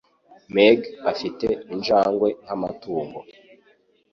Meg afite injangwe nkamatungo